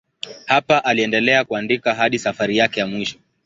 Hapa aliendelea kuandika hadi safari yake ya mwisho.